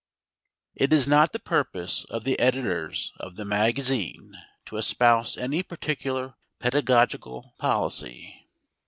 It is not the purpose of the editors of the MAGAZINE to espouse any particular pedagogical policy.